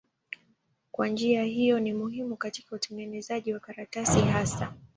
Kwa njia hiyo ni muhimu katika utengenezaji wa karatasi hasa.